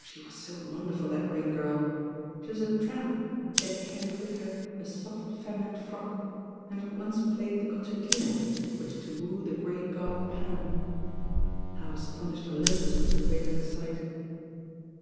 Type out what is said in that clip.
She was so wonderful, that Rain^irL She was a tramp; yet carried with her a soft, feminine frock and had once played the concertina with which to woo the great god Pan I How astonished Olympus must have been at the sight.